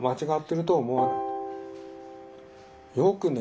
よくね